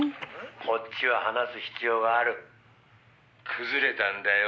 「こっちは話す必要がある」「崩れたんだよ